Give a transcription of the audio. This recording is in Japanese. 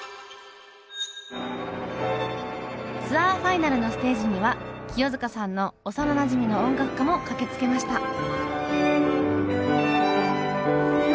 ツアーファイナルのステージには清塚さんの幼なじみの音楽家も駆けつけました。